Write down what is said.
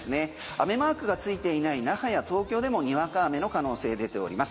雨マークがついていない那覇や東京でもにわか雨の可能性出ております。